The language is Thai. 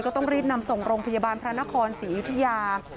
ต้องรีบนำส่งโรงพยาบาลพระนครศรีอยุธยา